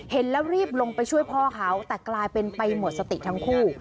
เห็นแล้วรีบลงไปช่วยพ่อเขาแต่กลายเป็นไปหมดสติทั้งคู่